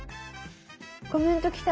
コメント来た。